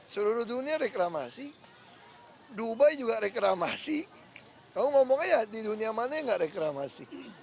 seluruh dunia reklamasi dubai juga reklamasi kamu ngomong aja di dunia mana yang gak reklamasi